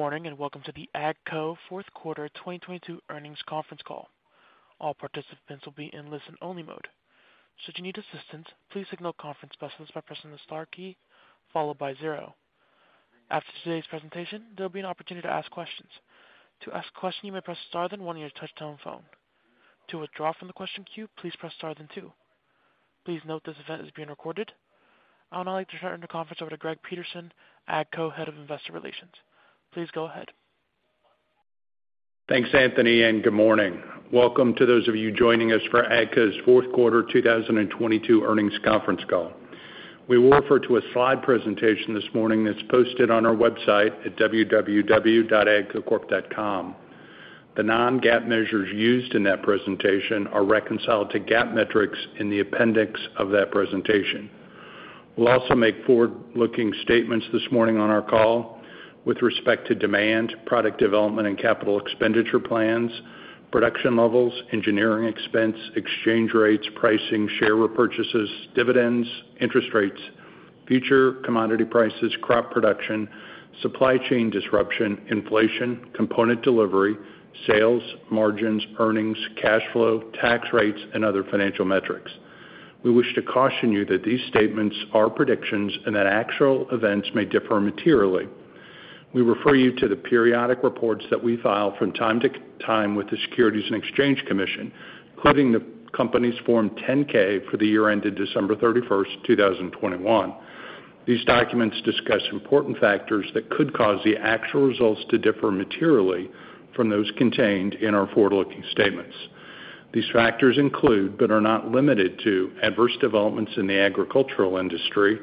Good morning, and welcome to the AGCO fourth quarter 2022 earnings conference call. All participants will be in listen-only mode. Should you need assistance, please signal conference specialists by pressing the star key followed by zero. After today's presentation, there'll be an opportunity to ask questions. To ask a question, you may press Star then one on your touch-tone phone. To withdraw from the question queue, please press Star then two. Please note this event is being recorded. I would now like to turn the conference over to Greg Peterson, AGCO Head of Investor Relations. Please go ahead. Thanks, Anthony, and good morning. Welcome to those of you joining us for AGCO's fourth quarter 2022 earnings conference call. We will refer to a slide presentation this morning that's posted on our website at www.agcocorp.com. The non-GAAP measures used in that presentation are reconciled to GAAP metrics in the appendix of that presentation. We'll also make forward-looking statements this morning on our call with respect to demand, product development and capital expenditure plans, production levels, engineering expense, exchange rates, pricing, share repurchases, dividends, interest rates, future commodity prices, crop production, supply chain disruption, inflation, component delivery, sales, margins, earnings, cash flow, tax rates, and other financial metrics. We wish to caution you that these statements are predictions and that actual events may differ materially. We refer you to the periodic reports that we file from time to time with the Securities and Exchange Commission, including the company's Form 10-K for the year ended December 31st, 2021. These documents discuss important factors that could cause the actual results to differ materially from those contained in our forward-looking statements. These factors include, but are not limited to, adverse developments in the agricultural industry,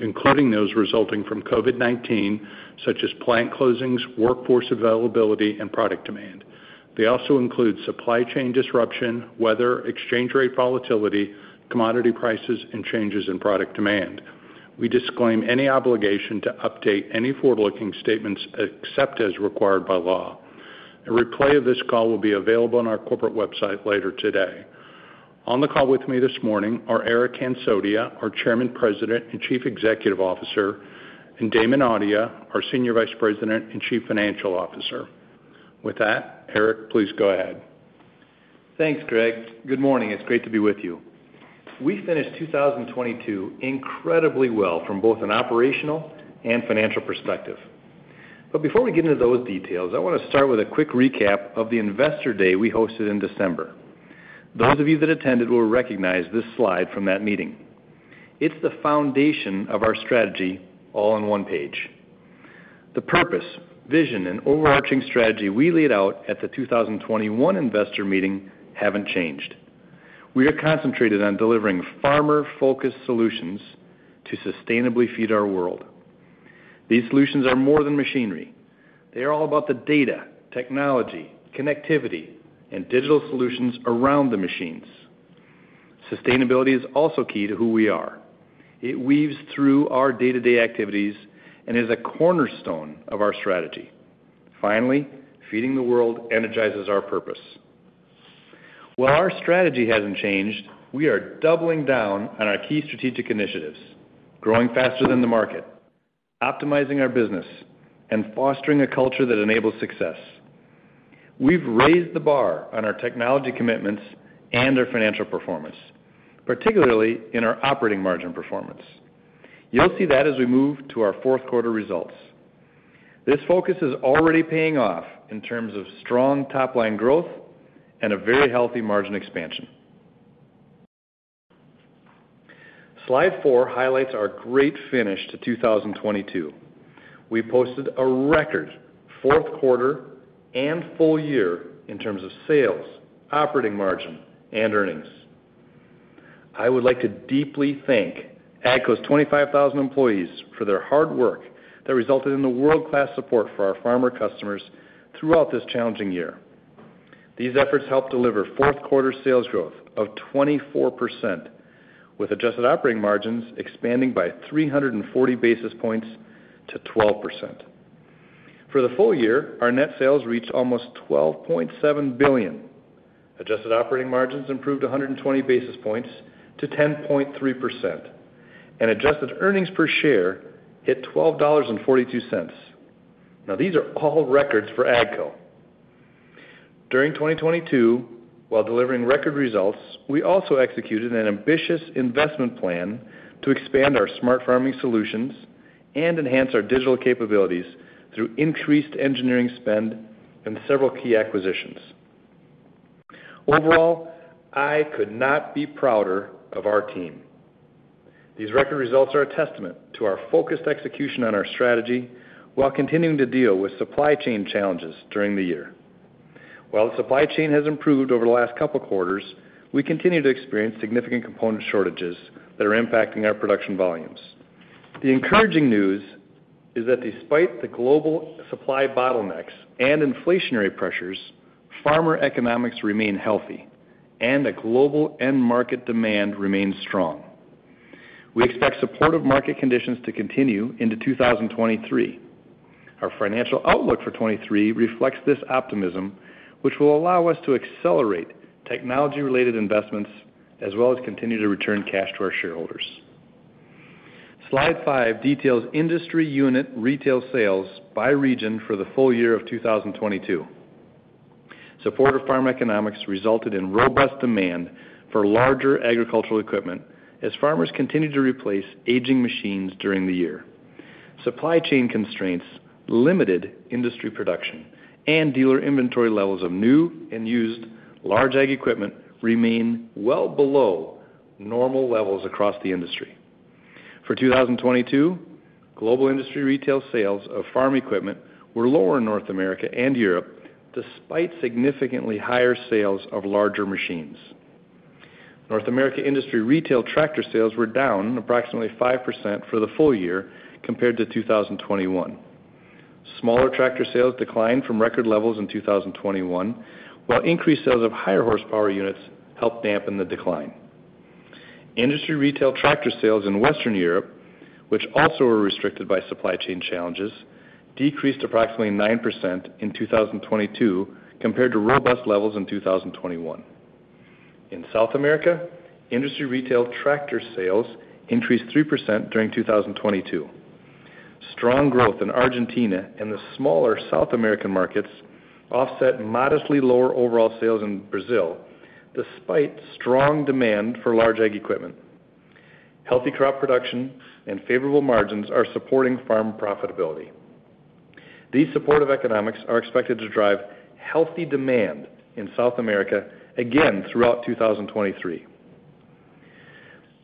including those resulting from COVID-19, such as plant closings, workforce availability, and product demand. They also include supply chain disruption, weather, exchange rate volatility, commodity prices, and changes in product demand. We disclaim any obligation to update any forward-looking statements except as required by law. A replay of this call will be available on our corporate website later today. On the call with me this morning are Eric Hansotia, our Chairman, President, and Chief Executive Officer, and Damon Audia, our Senior Vice President and Chief Financial Officer. With that, Eric, please go ahead. Thanks, Greg. Good morning. It's great to be with you. We finished 2022 incredibly well from both an operational and financial perspective. Before we get into those details, I wanna start with a quick recap of the Investor Day we hosted in December. Those of you that attended will recognize this slide from that meeting. It's the foundation of our strategy all on one page. The purpose, vision, and overarching strategy we laid out at the 2021 investor meeting haven't changed. We are concentrated on delivering farmer-focused solutions to sustainably feed our world. These solutions are more than machinery. They are all about the data, technology, connectivity, and digital solutions around the machines. Sustainability is also key to who we are. It weaves through our day-to-day activities and is a cornerstone of our strategy. Finally, feeding the world energizes our purpose. While our strategy hasn't changed, we are doubling down on our key strategic initiatives, growing faster than the market, optimizing our business, and fostering a culture that enables success. We've raised the bar on our technology commitments and our financial performance, particularly in our operating margin performance. You'll see that as we move to our fourth quarter results. This focus is already paying off in terms of strong top-line growth and a very healthy margin expansion. Slide 4 highlights our great finish to 2022. We posted a record fourth quarter and full year in terms of sales, operating margin, and earnings. I would like to deeply thank AGCO's 25,000 employees for their hard work that resulted in the world-class support for our farmer customers throughout this challenging year. These efforts helped deliver fourth quarter sales growth of 24%, with adjusted operating margins expanding by 340 basis points to 12%. For the full year, our net sales reached almost $12.7 billion. Adjusted operating margins improved 120 basis points to 10.3%, and adjusted earnings per share hit $12.42. These are all records for AGCO. During 2022, while delivering record results, we also executed an ambitious investment plan to expand our smart farming solutions and enhance our digital capabilities through increased engineering spend and several key acquisitions. Overall, I could not be prouder of our team. These record results are a testament to our focused execution on our strategy while continuing to deal with supply chain challenges during the year. While the supply chain has improved over the last couple quarters, we continue to experience significant component shortages that are impacting our production volumes. The encouraging news is that despite the global supply bottlenecks and inflationary pressures, farmer economics remain healthy and the global end market demand remains strong. We expect supportive market conditions to continue into 2023. Our financial outlook for 2023 reflects this optimism, which will allow us to accelerate technology-related investments as well as continue to return cash to our shareholders. Slide 5 details industry unit retail sales by region for the full year of 2022. Supportive farm economics resulted in robust demand for larger agricultural equipment as farmers continued to replace aging machines during the year. Supply chain constraints limited industry production and dealer inventory levels of new and used large ag equipment remain well below normal levels across the industry. For 2022, global industry retail sales of farm equipment were lower in North America and Europe despite significantly higher sales of larger machines. North America industry retail tractor sales were down approximately 5% for the full year compared to 2021. Smaller tractor sales declined from record levels in 2021, while increased sales of higher horsepower units helped dampen the decline. Industry retail tractor sales in Western Europe, which also were restricted by supply chain challenges, decreased approximately 9% in 2022 compared to robust levels in 2021. In South America, industry retail tractor sales increased 3% during 2022. Strong growth in Argentina and the smaller South American markets offset modestly lower overall sales in Brazil despite strong demand for large ag equipment. Healthy crop production and favorable margins are supporting farm profitability. These supportive economics are expected to drive healthy demand in South America again throughout 2023.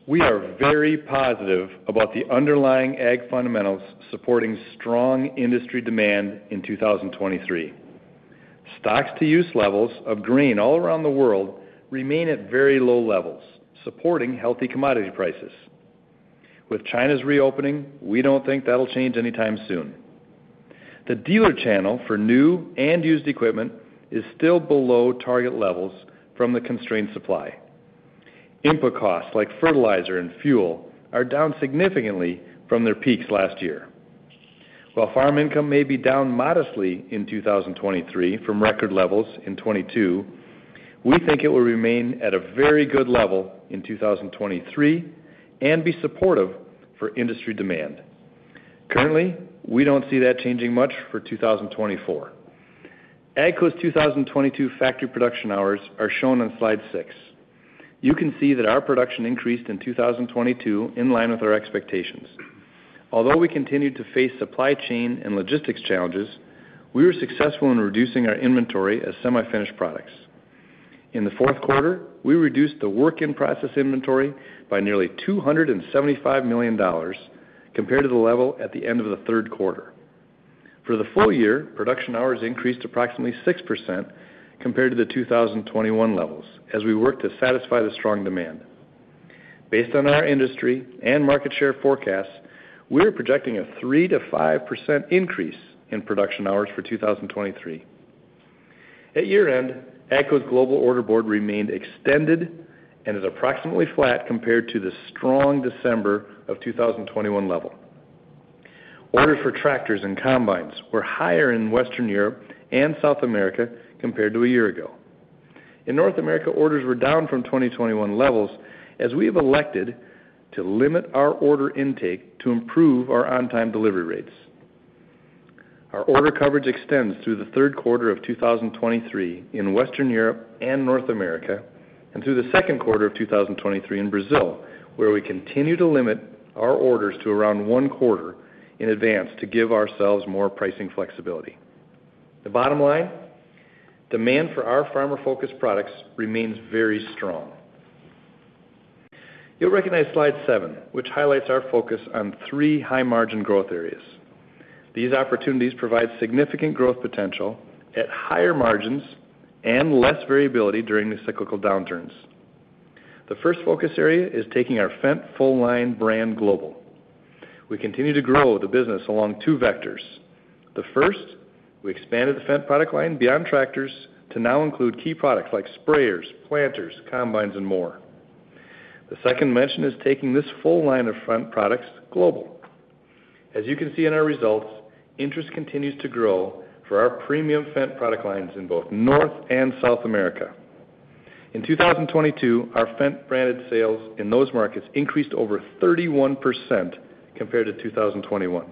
We are very positive about the underlying ag fundamentals supporting strong industry demand in 2023. Stocks to use levels of grain all around the world remain at very low levels, supporting healthy commodity prices. With China's reopening, we don't think that'll change anytime soon. The dealer channel for new and used equipment is still below target levels from the constrained supply. Input costs like fertilizer and fuel are down significantly from their peaks last year. While farm income may be down modestly in 2023 from record levels in 2022, we think it will remain at a very good level in 2023 and be supportive for industry demand. Currently, we don't see that changing much for 2024. AGCO's 2022 factory production hours are shown on Slide 6. You can see that our production increased in 2022 in line with our expectations. Although we continued to face supply chain and logistics challenges, we were successful in reducing our inventory as semi-finished products. In the fourth quarter, we reduced the work-in-process inventory by nearly $275 million compared to the level at the end of the third quarter. For the full year, production hours increased approximately 6% compared to the 2021 levels as we worked to satisfy the strong demand. Based on our industry and market share forecasts, we are projecting a 3%-5% increase in production hours for 2023. At year-end, AGCO's global order board remained extended and is approximately flat compared to the strong December of 2021 level. Orders for tractors and combines were higher in Western Europe and South America compared to a year ago. In North America, orders were down from 2021 levels as we have elected to limit our order intake to improve our on-time delivery rates. Our order coverage extends through the third quarter of 2023 in Western Europe and North America and through the second quarter of 2023 in Brazil, where we continue to limit our orders to around one quarter in advance to give ourselves more pricing flexibility. The bottom line, demand for our farmer-focused products remains very strong. You'll recognize Slide 7, which highlights our focus on three high-margin growth areas. These opportunities provide significant growth potential at higher margins and less variability during the cyclical downturns. The first focus area is taking our Fendt full-line brand global. We continue to grow the business along two vectors. The first, we expanded the Fendt product line beyond tractors to now include key products like sprayers, planters, combines, and more. The second mention is taking this full line of Fendt products global. As you can see in our results, interest continues to grow for our premium Fendt product lines in both North and South America. In 2022, our Fendt branded sales in those markets increased over 31% compared to 2021.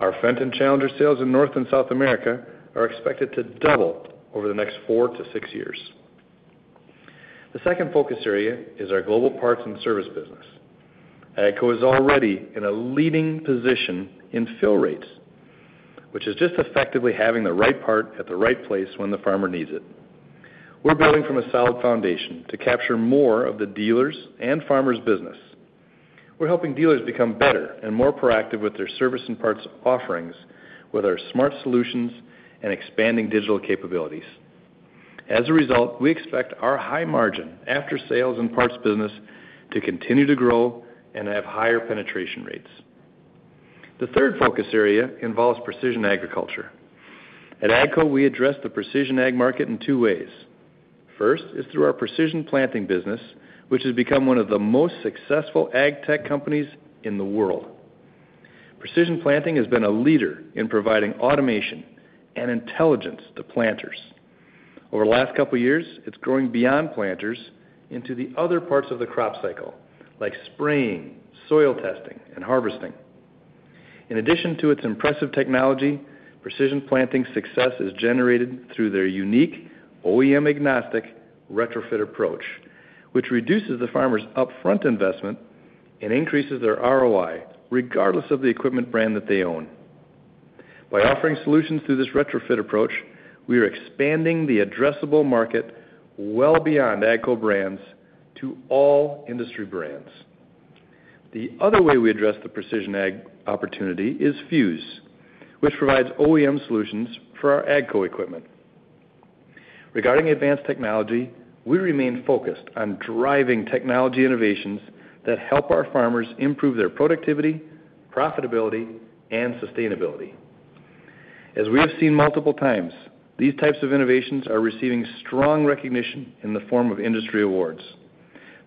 Our Fendt and Challenger sales in North and South America are expected to double over the next four to six years. The second focus area is our global parts and service business. AGCO is already in a leading position in fill rates, which is just effectively having the right part at the right place when the farmer needs it. We're building from a solid foundation to capture more of the dealers' and farmers' business. We're helping dealers become better and more proactive with their service and parts offerings with our smart solutions and expanding digital capabilities. As a result, we expect our high margin after sales and parts business to continue to grow and have higher penetration rates. The third focus area involves precision agriculture. At AGCO, we address the precision ag market in two ways. First is through our Precision Planting business, which has become one of the most successful ag tech companies in the world. Precision Planting has been a leader in providing automation and intelligence to planters. Over the last couple of years, it's growing beyond planters into the other parts of the crop cycle, like spraying, soil testing, and harvesting. In addition to its impressive technology, Precision Planting success is generated through their unique OEM agnostic retrofit approach, which reduces the farmer's upfront investment and increases their ROI regardless of the equipment brand that they own. By offering solutions through this retrofit approach, we are expanding the addressable market well beyond AGCO brands to all industry brands. The other way we address the precision ag opportunity is Fuse, which provides OEM solutions for our AGCO equipment. Regarding advanced technology, we remain focused on driving technology innovations that help our farmers improve their productivity, profitability, and sustainability. As we have seen multiple times, these types of innovations are receiving strong recognition in the form of industry awards.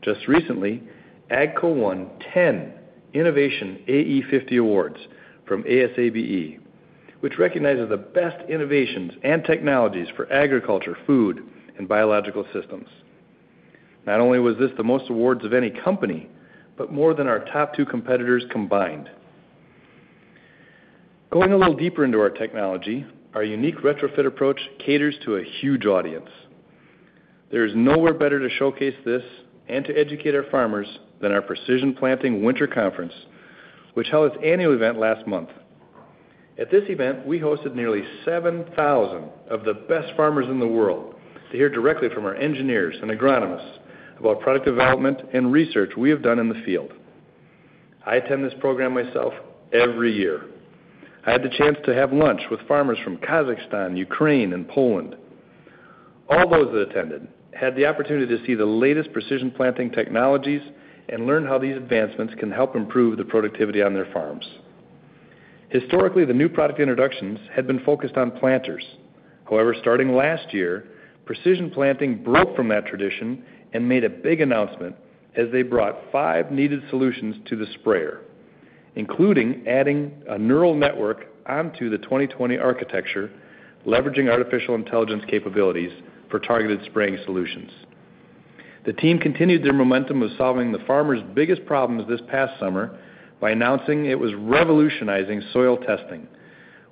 Just recently, AGCO won 10 Innovation AE50 awards from ASABE, which recognizes the best innovations and technologies for agriculture, food, and biological systems. Not only was this the most awards of any company, but more than our top two competitors combined. Going a little deeper into our technology, our unique retrofit approach caters to a huge audience. There is nowhere better to showcase this and to educate our farmers than our Precision Planting Winter Conference, which held its annual event last month. At this event, we hosted nearly 7,000 of the best farmers in the world to hear directly from our engineers and agronomists about product development and research we have done in the field. I attend this program myself every year. I had the chance to have lunch with farmers from Kazakhstan, Ukraine, and Poland. All those that attended had the opportunity to see the latest Precision Planting technologies and learn how these advancements can help improve the productivity on their farms. Historically, the new product introductions had been focused on planters. However, starting last year, Precision Planting broke from that tradition and made a big announcement as they brought five needed solutions to the sprayer, including adding a neural network onto the 20/20 architecture, leveraging artificial intelligence capabilities for targeted spraying solutions. The team continued their momentum of solving the farmers' biggest problems this past summer by announcing it was revolutionizing soil testing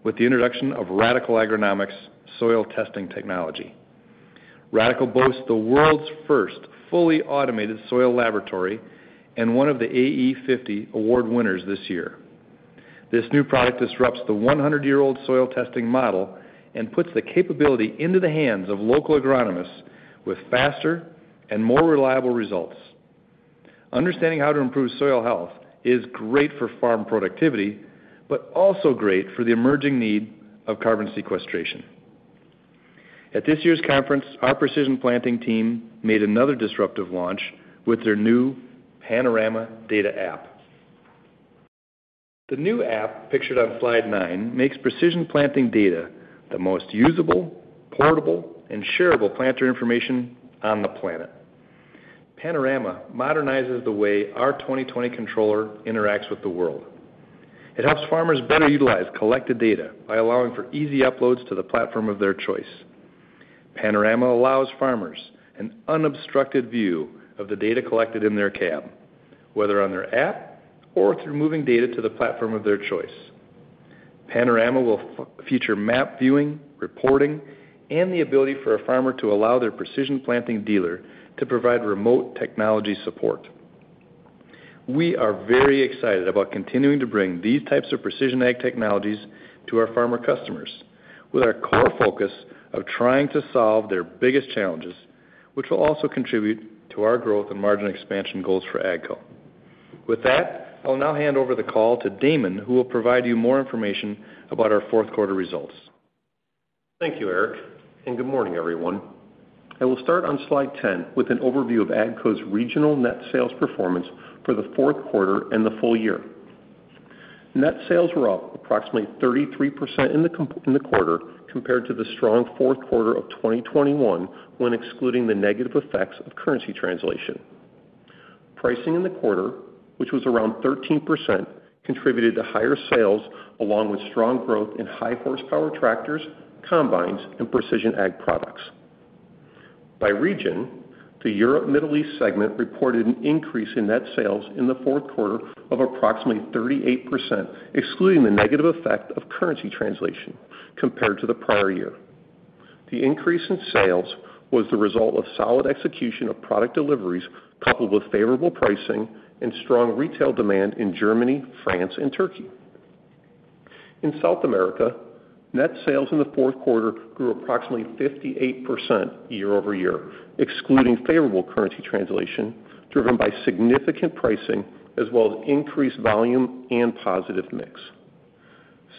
with the introduction of Radical Agronomics soil testing technology. Radical boasts the world's first fully automated soil laboratory and one of the AE50 award winners this year. This new product disrupts the 100-year-old soil testing model and puts the capability into the hands of local agronomists with faster and more reliable results. Understanding how to improve soil health is great for farm productivity, but also great for the emerging need of carbon sequestration. At this year's conference, our Precision Planting team made another disruptive launch with their new Panorama data app. The new app pictured on Slide 9 makes precision planting data the most usable, portable, and shareable planter information on the planet. Panorama modernizes the way our 20/20 controller interacts with the world. It helps farmers better utilize collected data by allowing for easy uploads to the platform of their choice. Panorama allows farmers an unobstructed view of the data collected in their cab, whether on their app or through moving data to the platform of their choice. Panorama will feature map viewing, reporting, and the ability for a farmer to allow their Precision Planting dealer to provide remote technology support. We are very excited about continuing to bring these types of precision ag technologies to our farmer customers with our core focus of trying to solve their biggest challenges, which will also contribute to our growth and margin expansion goals for AGCO. With that, I'll now hand over the call to Damon, who will provide you more information about our fourth quarter results. Thank you, Eric. Good morning, everyone. I will start on Slide 10 with an overview of AGCO's regional net sales performance for the fourth quarter and the full year. Net sales were up approximately 33% in the quarter compared to the strong fourth quarter of 2021 when excluding the negative effects of currency translation. Pricing in the quarter, which was around 13%, contributed to higher sales along with strong growth in high horsepower tractors, combines, and precision ag products. By region, the Europe Middle East segment reported an increase in net sales in the fourth quarter of approximately 38%, excluding the negative effect of currency translation compared to the prior year. The increase in sales was the result of solid execution of product deliveries coupled with favorable pricing and strong retail demand in Germany, France, and Turkey. In South America, net sales in the fourth quarter grew approximately 58% year-over-year, excluding favorable currency translation driven by significant pricing as well as increased volume and positive mix.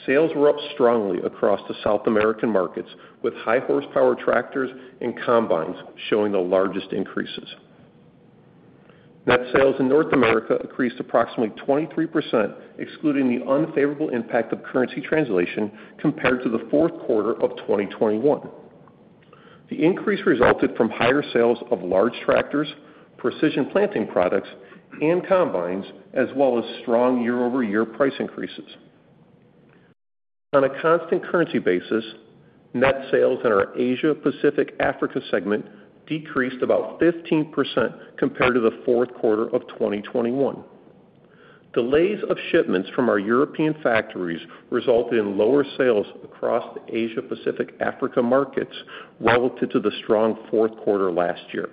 Sales were up strongly across the South American markets with high horsepower tractors and combines showing the largest increases. Net sales in North America increased approximately 23% excluding the unfavorable impact of currency translation compared to the fourth quarter of 2021. The increase resulted from higher sales of large tractors, Precision Planting products, and combines as well as strong year-over-year price increases. On a constant currency basis, net sales in our Asia Pacific Africa segment decreased about 15% compared to the fourth quarter of 2021. Delays of shipments from our European factories resulted in lower sales across the Asia Pacific Africa markets relative to the strong fourth quarter last year.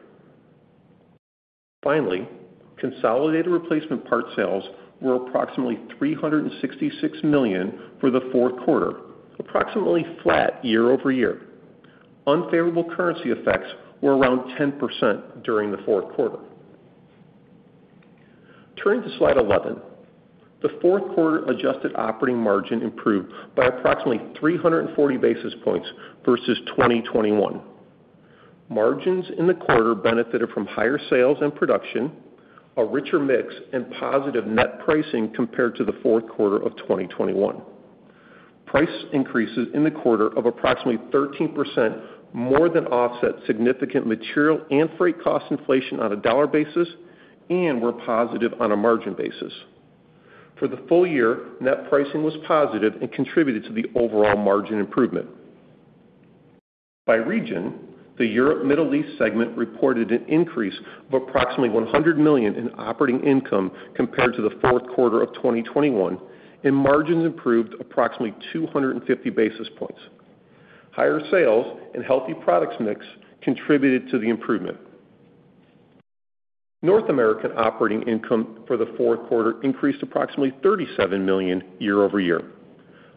Consolidated replacement part sales were approximately $366 million for the fourth quarter, approximately flat year-over-year. Unfavorable currency effects were around 10% during the fourth quarter. Turning to Slide 11, the fourth quarter adjusted operating margin improved by approximately 340 basis points versus 2021. Margins in the quarter benefited from higher sales and production, a richer mix, and positive net pricing compared to the fourth quarter of 2021. Price increases in the quarter of approximately 13% more than offset significant material and freight cost inflation on a dollar basis and were positive on a margin basis. For the full year, net pricing was positive and contributed to the overall margin improvement. By region, the Europe Middle East segment reported an increase of approximately $100 million in operating income compared to the fourth quarter of 2021. Margins improved approximately 250 basis points. Higher sales and healthy products mix contributed to the improvement. North American operating income for the fourth quarter increased approximately $37 million year-over-year.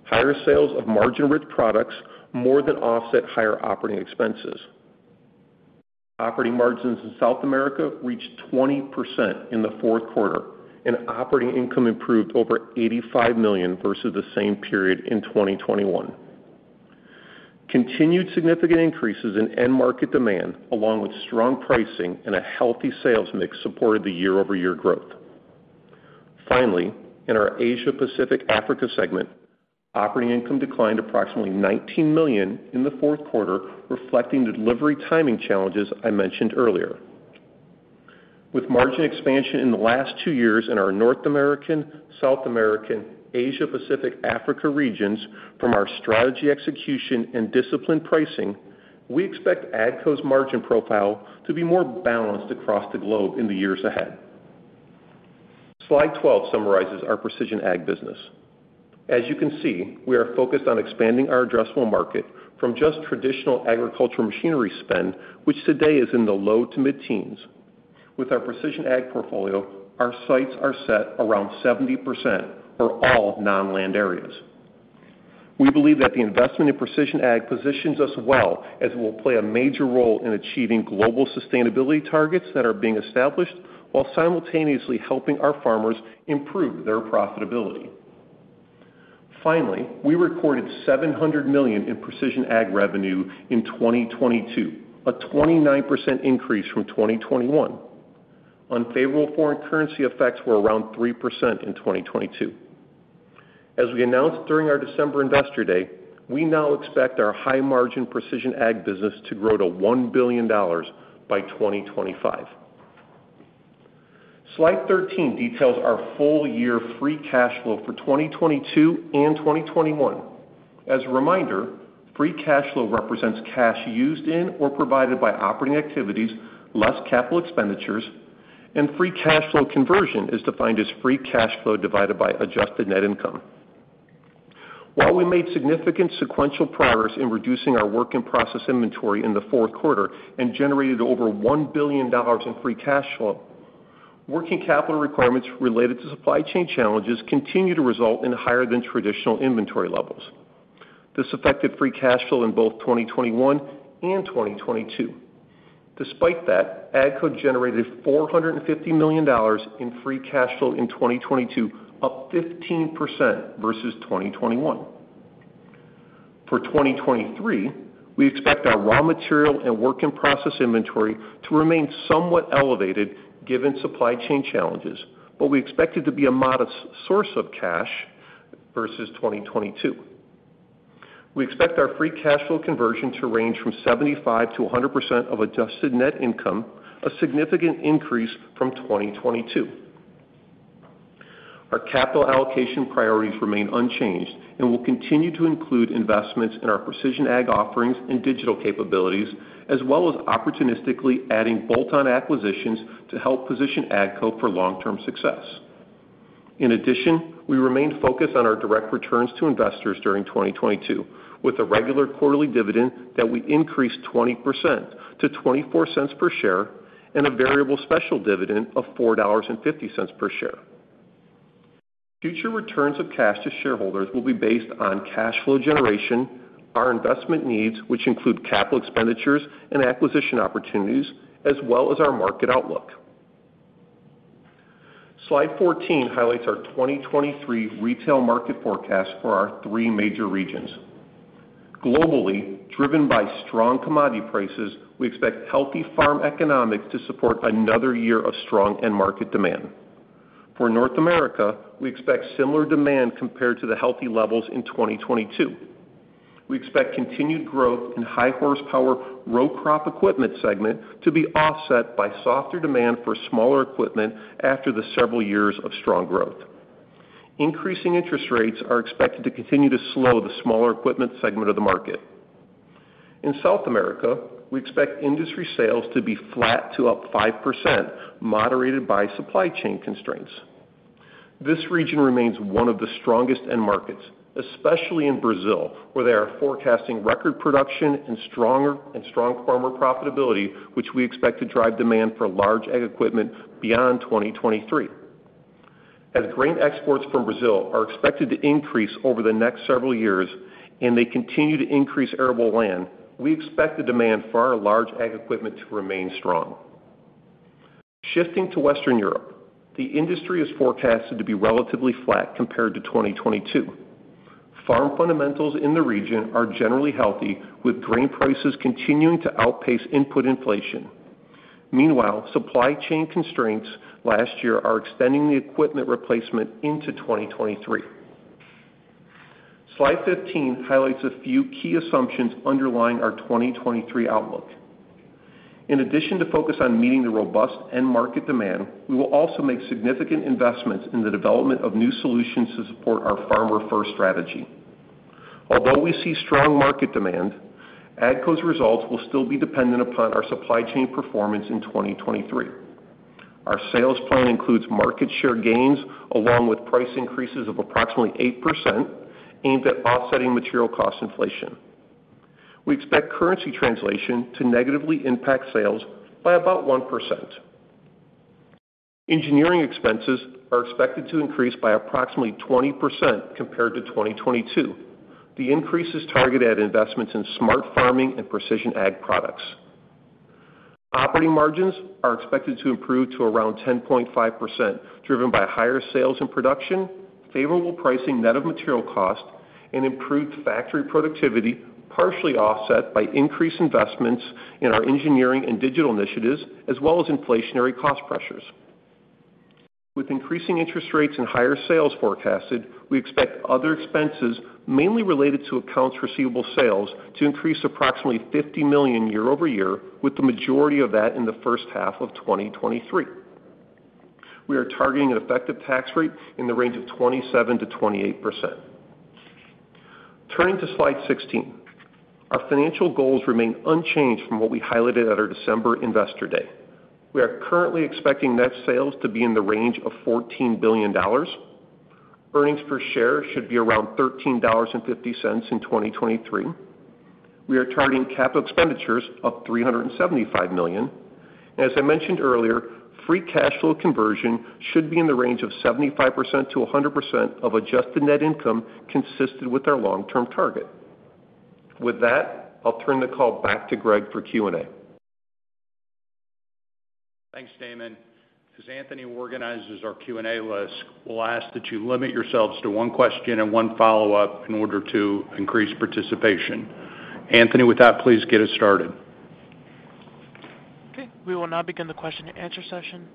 Higher sales of margin-rich products more than offset higher operating expenses. Operating margins in South America reached 20% in the fourth quarter. Operating income improved over $85 million versus the same period in 2021. Continued significant increases in end market demand, along with strong pricing and a healthy sales mix, supported the year-over-year growth. Finally, in our Asia Pacific Africa segment, operating income declined approximately $19 million in the fourth quarter, reflecting the delivery timing challenges I mentioned earlier. With margin expansion in the last two years in our North American, South American, Asia Pacific Africa regions from our strategy execution and disciplined pricing, we expect AGCO's margin profile to be more balanced across the globe in the years ahead. Slide 12 summarizes our Precision Ag business. As you can see, we are focused on expanding our addressable market from just traditional agricultural machinery spend, which today is in the low to mid-teens. With our Precision Ag portfolio, our sights are set around 70% for all non-land areas. We believe that the investment in Precision Ag positions us well as it will play a major role in achieving global sustainability targets that are being established while simultaneously helping our farmers improve their profitability. We recorded $700 million in Precision Ag revenue in 2022, a 29% increase from 2021. Unfavorable foreign currency effects were around 3% in 2022. As we announced during our December Investor Day, we now expect our high-margin Precision Ag business to grow to $1 billion by 2025. Slide 13 details our full year free cash flow for 2022 and 2021. As a reminder, free cash flow represents cash used in or provided by operating activities less capital expenditures, and free cash flow conversion is defined as free cash flow divided by adjusted net income. While we made significant sequential progress in reducing our work-in-process inventory in the fourth quarter and generated over $1 billion in free cash flow, working capital requirements related to supply chain challenges continue to result in higher than traditional inventory levels. This affected free cash flow in both 2021 and 2022. Despite that, AGCO generated $450 million in free cash flow in 2022, up 15% versus 2021. For 2023, we expect our raw material and work-in-process inventory to remain somewhat elevated given supply chain challenges, but we expect it to be a modest source of cash versus 2022. We expect our Free Cash Flow Conversion to range from 75%-100% of adjusted net income, a significant increase from 2022. Our capital allocation priorities remain unchanged and will continue to include investments in our Precision Ag offerings and digital capabilities, as well as opportunistically adding bolt-on acquisitions to help position AGCO for long-term success. We remain focused on our direct returns to investors during 2022 with a regular quarterly dividend that we increased 20% to $0.24 per share and a variable special dividend of $4.50 per share. Future returns of cash to shareholders will be based on cash flow generation, our investment needs, which include capital expenditures and acquisition opportunities, as well as our market outlook. Slide 14 highlights our 2023 retail market forecast for our 3 major regions. Globally, driven by strong commodity prices, we expect healthy farm economics to support another year of strong end market demand. North America, we expect similar demand compared to the healthy levels in 2022. We expect continued growth in high horsepower row crop equipment segment to be offset by softer demand for smaller equipment after the several years of strong growth. Increasing interest rates are expected to continue to slow the smaller equipment segment of the market. In South America, we expect industry sales to be flat to up 5%, moderated by supply chain constraints. This region remains one of the strongest end markets, especially in Brazil, where they are forecasting record production and strong farmer profitability, which we expect to drive demand for large ag equipment beyond 2023. Grain exports from Brazil are expected to increase over the next several years and they continue to increase arable land, we expect the demand for our large ag equipment to remain strong. Shifting to Western Europe, the industry is forecasted to be relatively flat compared to 2022. Farm fundamentals in the region are generally healthy, with grain prices continuing to outpace input inflation. Supply chain constraints last year are extending the equipment replacement into 2023. Slide 15 highlights a few key assumptions underlying our 2023 outlook. To focus on meeting the robust end market demand, we will also make significant investments in the development of new solutions to support our farmer first strategy. We see strong market demand, AGCO's results will still be dependent upon our supply chain performance in 2023. Our sales plan includes market share gains along with price increases of approximately 8% aimed at offsetting material cost inflation. We expect currency translation to negatively impact sales by about 1%. Engineering expenses are expected to increase by approximately 20% compared to 2022. The increase is targeted at investments in smart farming and precision ag products. Operating margins are expected to improve to around 10.5%, driven by higher sales and production, favorable pricing net of material cost, and improved factory productivity, partially offset by increased investments in our engineering and digital initiatives, as well as inflationary cost pressures. With increasing interest rates and higher sales forecasted, we expect other expenses, mainly related to accounts receivable sales, to increase approximately $50 million year-over-year, with the majority of that in the first half of 2023. We are targeting an effective tax rate in the range of 27%-28%. Turning to Slide 16. Our financial goals remain unchanged from what we highlighted at our December Investor Day. We are currently expecting net sales to be in the range of $14 billion. Earnings per share should be around $13.50 in 2023. We are targeting capital expenditures of $375 million. As I mentioned earlier, Free Cash Flow Conversion should be in the range of 75%-100% of adjusted net income consistent with our long-term target. With that, I'll turn the call back to Greg for Q&A. Thanks, Damon. As Anthony organizes our Q&A list, we'll ask that you limit yourselves to one question and one follow-up in order to increase participation. Anthony, with that, please get us started. Okay. We will now begin the question and answer session.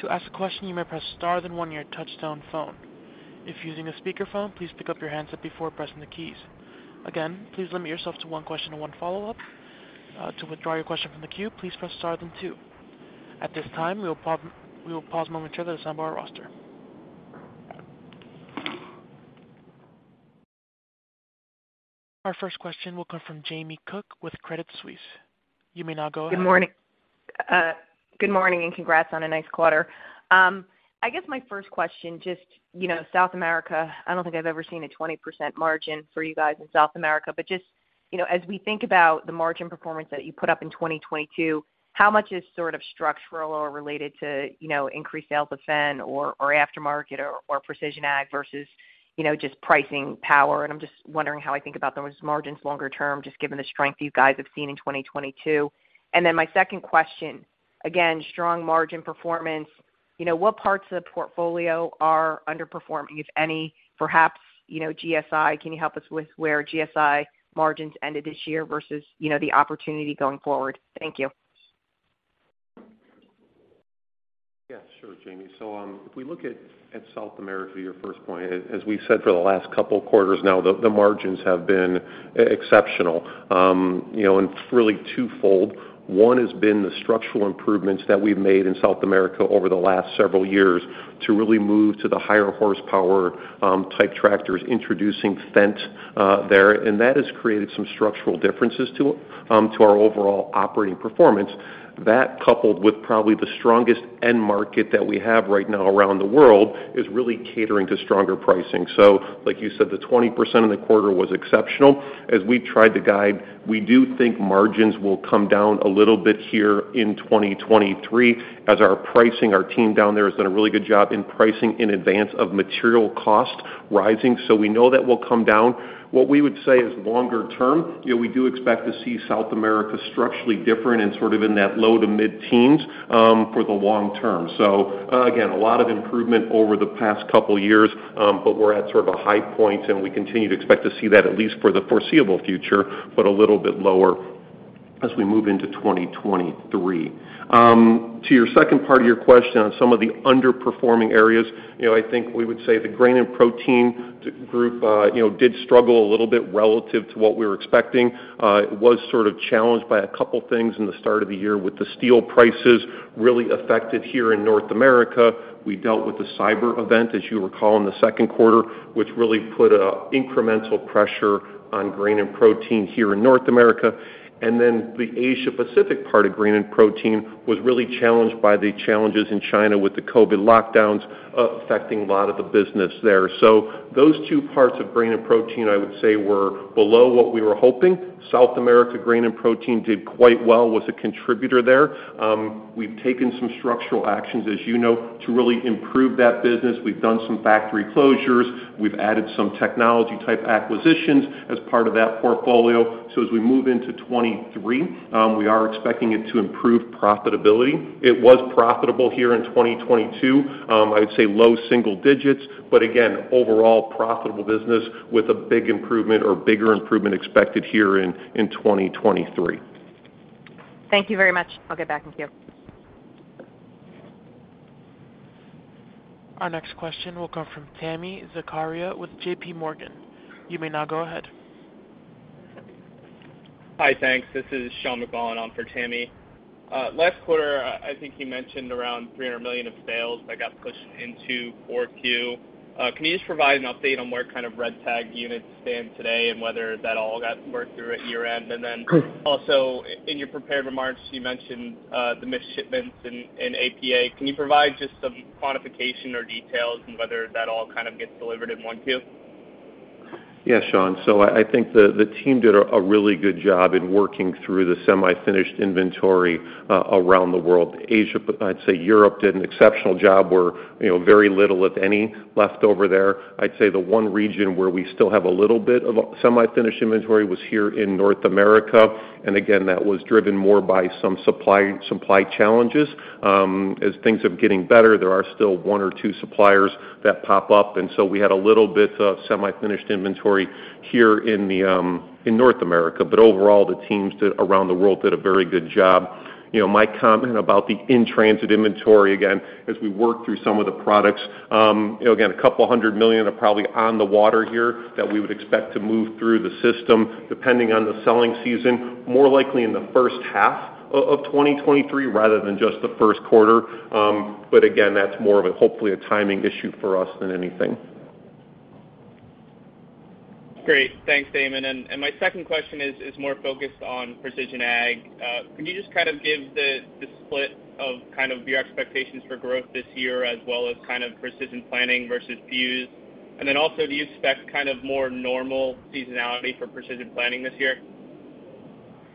To ask a question, you may press star then one on your touchtone phone. If using a speakerphone, please pick up your handset before pressing the keys. Again, please limit yourself to one question and one follow-up. To withdraw your question from the queue, please press star then two. At this time, we will pause momentarily to assemble our roster. Our first question will come from Jamie Cook with Credit Suisse. You may now go ahead. Good morning. Good morning, and congrats on a nice quarter. I guess my first question, just, you know, South America, I don't think I've ever seen a 20% margin for you guys in South America, but just, you know, as we think about the margin performance that you put up in 2022, how much is sort of structural or related to, you know, increased sales of Fendt or aftermarket or precision ag versus, you know, just pricing power? I'm just wondering how I think about those margins longer term, just given the strength you guys have seen in 2022. Then my second question, again, strong margin performance. You know, what parts of the portfolio are underperforming, if any, perhaps, you know, GSI? Can you help us with where GSI margins ended this year versus, you know, the opportunity going forward? Thank you. Yeah, sure, Jamie. If we look at South America, your first point, as we said for the last couple of quarters now, the margins have been exceptional, you know, and really twofold. One has been the structural improvements that we've made in South America over the last several years to really move to the higher horsepower type tractors, introducing Fendt there, and that has created some structural differences to our overall operating performance. That coupled with probably the strongest end market that we have right now around the world is really catering to stronger pricing. Like you said, the 20% in the quarter was exceptional. As we tried to guide, we do think margins will come down a little bit here in 2023 as our pricing, our team down there has done a really good job in pricing in advance of material cost rising. We know that will come down. What we would say is longer term, you know, we do expect to see South America structurally different and sort of in that low to mid-teens for the long term. Again, a lot of improvement over the past couple years, but we're at sort of a high point, and we continue to expect to see that at least for the foreseeable future, but a little bit lower as we move into 2023. To your second part of your question on some of the underperforming areas, you know, I think we would say the Grain & Protein group, you know, did struggle a little bit relative to what we were expecting. It was sort of challenged by a couple things in the start of the year with the steel prices really affected here in North America. We dealt with the cyber event, as you recall, in the second quarter, which really put a incremental pressure on Grain & Protein here in North America. The Asia Pacific part of Grain & Protein was really challenged by the challenges in China with the COVID lockdowns, affecting a lot of the business there. Those two parts of Grain & Protein, I would say, were below what we were hoping. South America Grain & Protein did quite well, was a contributor there. We've taken some structural actions, as you know, to really improve that business. We've done some factory closures. We've added some technology-type acquisitions as part of that portfolio. As we move into 2023, we are expecting it to improve profitability. It was profitable here in 2022, I would say low single digits, but again, overall profitable business with a big improvement or bigger improvement expected here in 2023. Thank you very much. I'll get back in queue. Our next question will come from Tami Zakaria with JPMorgan. You may now go ahead. Hi. Thanks. This is Sean McGoley on for Tammy. Last quarter, I think you mentioned around $300 million of sales that got pushed into Q4. Can you just provide an update on where kind of red tag units stand today and whether that all got worked through at year-end? Sure. In your prepared remarks, you mentioned the missed shipments in APA. Can you provide just some quantification or details on whether that all kind of gets delivered in Q1? Yeah, Sean. I think the team did a really good job in working through the semi-finished inventory around the world. Asia, I'd say Europe did an exceptional job where, you know, very little, if any, left over there. I'd say the one region where we still have a little bit of a semi-finished inventory was here in North America, and again, that was driven more by some supply challenges. As things are getting better, there are still one or two suppliers that pop up, and so we had a little bit of semi-finished inventory here in the in North America. Overall, around the world did a very good job. You know, my comment about the in-transit inventory, again, as we work through some of the products, you know, again, a couple hundred million dollars are probably on the water here that we would expect to move through the system, depending on the selling season, more likely in the first half of 2023 rather than just the first quarter. Again, that's more of a, hopefully, a timing issue for us than anything. Great. Thanks, Damon. My second question is more focused on precision ag. Can you just kind of give the split of kind of your expectations for growth this year as well as kind of Precision Planting versus Fuse? Also, do you expect kind of more normal seasonality for Precision Planting this year?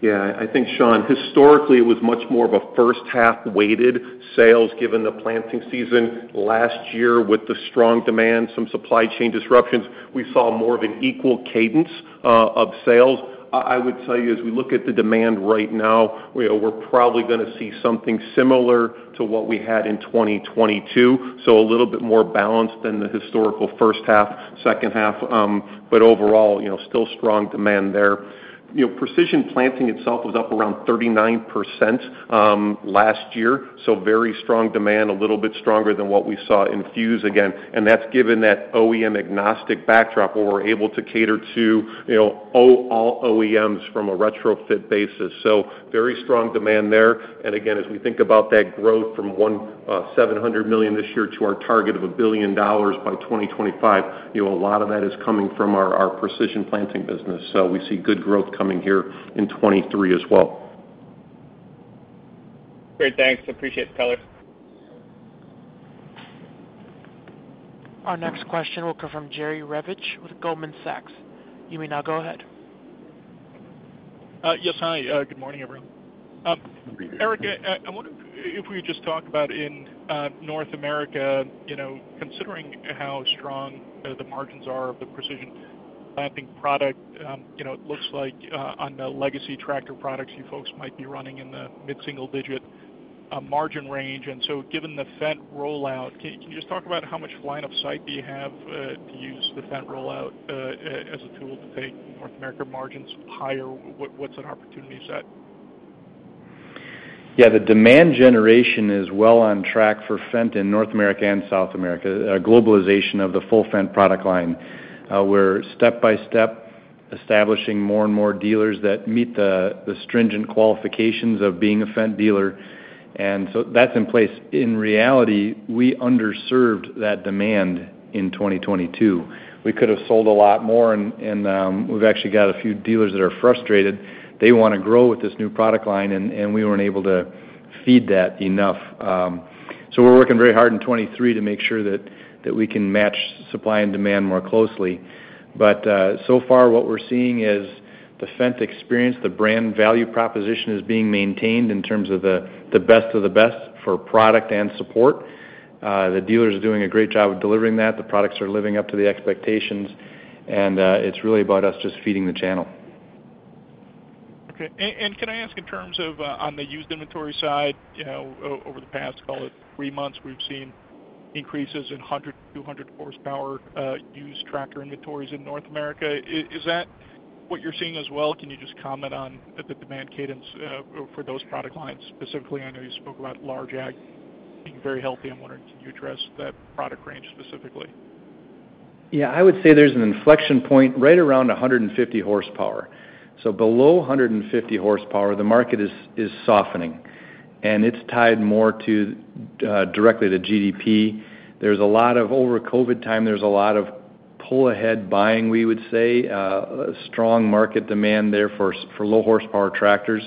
Yeah. I think, Sean, historically, it was much more of a first half weighted sales given the planting season. Last year, with the strong demand, some supply chain disruptions, we saw more of an equal cadence of sales. I would tell you as we look at the demand right now, you know, we're probably gonna see something similar to what we had in 2022, so a little bit more balanced than the historical first half, second half. Overall, you know, still strong demand there. Precision Planting itself was up around 39% last year, so very strong demand, a little bit stronger than what we saw in Fuse again. That's given that OEM-agnostic backdrop where we're able to cater to, you know, all OEMs from a retrofit basis. Very strong demand there. Again, as we think about that growth from $700 million this year to our target of $1 billion by 2025, you know, a lot of that is coming from our Precision Planting business. We see good growth coming here in 2023 as well. Great. Thanks. Appreciate the color. Our next question will come from Jerry Revich with Goldman Sachs. You may now go ahead. Yes. Hi. Good morning, everyone. Good morning. Eric, I wonder if we could just talk about in North America, you know, considering how strong the margins are of the Precision Planting product, you know, it looks like on the legacy tractor products, you folks might be running in the mid-single digit margin range. Given the Fendt rollout, can you just talk about how much line of sight do you have to use the Fendt rollout as a tool to take North America margins higher? What's that opportunity set? Yeah. The demand generation is well on track for Fendt in North America and South America, globalization of the full Fendt product line. We're step-by-step establishing more and more dealers that meet the stringent qualifications of being a Fendt dealer, and so that's in place. In reality, we underserved that demand in 2022. We could have sold a lot more, and we've actually got a few dealers that are frustrated. They wanna grow with this new product line, and we weren't able to feed that enough. We're working very hard in 2023 to make sure that we can match supply and demand more closely. So far what we're seeing is the Fendt experience, the brand value proposition is being maintained in terms of the best of the best for product and support. The dealers are doing a great job of delivering that. The products are living up to the expectations, and it's really about us just feeding the channel. Okay. Can I ask in terms of on the used inventory side, you know, over the past, call it, three months, we've seen. Increases in 100 to 200 horsepower, used tractor inventories in North America. Is that what you're seeing as well? Can you just comment on the demand cadence for those product lines specifically? I know you spoke about large ag being very healthy. I'm wondering, can you address that product range specifically? I would say there's an inflection point right around 150 horsepower. Below 150 horsepower, the market is softening, and it's tied more directly to GDP. There's a lot of over COVID time, there's a lot of pull-ahead buying, we would say, strong market demand there for low horsepower tractors.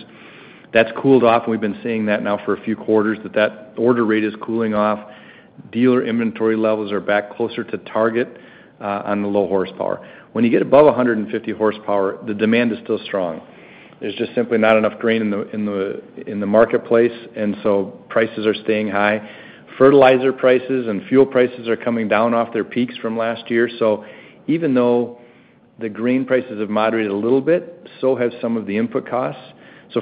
That's cooled off, and we've been seeing that now for a few quarters, that that order rate is cooling off. Dealer inventory levels are back closer to target on the low horsepower. When you get above 150 horsepower, the demand is still strong. There's just simply not enough grain in the marketplace, and so prices are staying high. Fertilizer prices and fuel prices are coming down off their peaks from last year. Even though the grain prices have moderated a little bit, so has some of the input costs.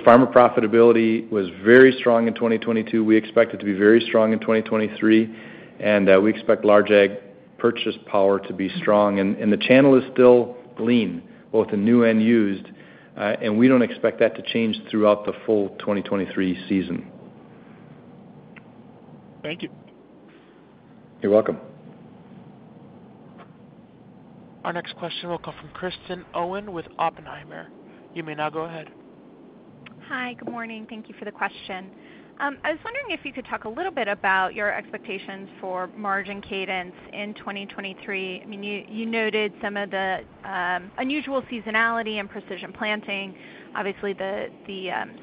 Farmer profitability was very strong in 2022. We expect it to be very strong in 2023, and we expect large ag purchase power to be strong. The channel is still lean, both in new and used, and we don't expect that to change throughout the full 2023 season. Thank you. You're welcome. Our next question will come from Kristen Owen with Oppenheimer. You may now go ahead. Hi. Good morning. Thank you for the question. I was wondering if you could talk a little bit about your expectations for margin cadence in 2023. I mean, you noted some of the unusual seasonality and Precision Planting, obviously the